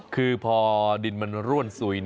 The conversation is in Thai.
คือพอดินมันร่วนสุย